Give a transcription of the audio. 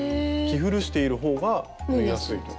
着古しているほうが縫いやすいと？